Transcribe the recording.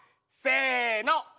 せの！